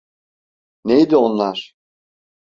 Neydi onlar?